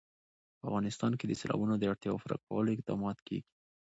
په افغانستان کې د سیلابونو د اړتیاوو پوره کولو اقدامات کېږي.